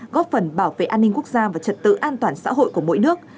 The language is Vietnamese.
góp phần bảo vệ an ninh quốc gia và trật tự an toàn xã hội của mỗi nước